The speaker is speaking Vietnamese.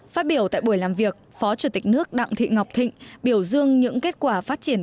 phát biểu tại buổi làm việc phó chủ tịch nước đặng thị ngọc thịnh biểu dương những kết quả phát triển